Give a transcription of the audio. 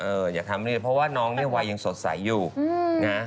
เอออยากทำแบบนี้เลยเพราะว่าน้องเนี่ยวัยยังสดใสอยู่นะ